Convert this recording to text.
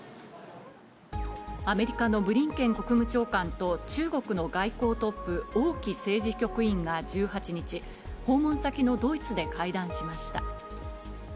アメリカのブリンケン国務長官と中国の外交トップ、王毅政治局員が１８日、訪問先のドイツで会談しました。